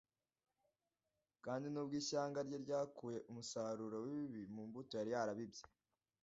Kandi nubwo ishyanga rye ryakuye umusaruro w’ibibi mu mbuto yari yarabibye